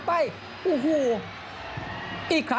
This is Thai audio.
ส่วนที่สุดท้ายส่วนที่สุดท้าย